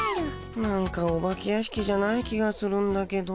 なんかお化け屋敷じゃない気がするんだけど。